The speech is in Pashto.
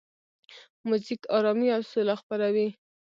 موزیک آرامي او سوله خپروي.